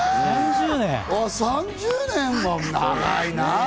３０年、長いな。